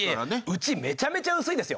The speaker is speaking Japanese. うちめちゃめちゃ薄いんですよ。